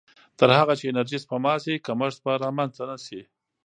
تر هغه چې انرژي سپما شي، کمښت به رامنځته نه شي.